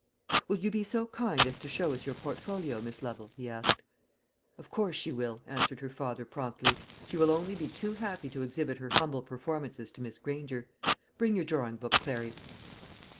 "Will you be so kind as to show us your portfolio, Miss Lovel?" he asked. "Of course she will," answered her father promptly; "she will only be too happy to exhibit her humble performances to Miss Granger. Bring your drawing book, Clary."